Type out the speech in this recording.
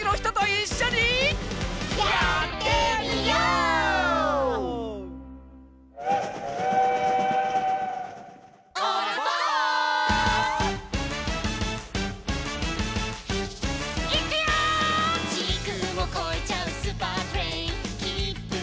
「いくよー！」